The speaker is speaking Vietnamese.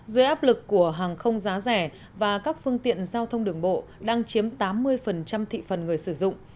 dưới áp lực của hàng không giá rẻ và các phương tiện giao thông đường bộ đang chiếm tám mươi thị phần người sử dụng